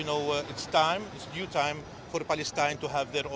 untuk palestina memiliki negara tersebut yang berdiri